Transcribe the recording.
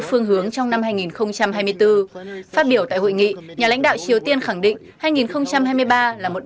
phương hướng trong năm hai nghìn hai mươi bốn phát biểu tại hội nghị nhà lãnh đạo triều tiên khẳng định hai nghìn hai mươi ba là một